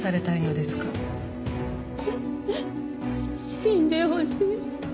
死んでほしい。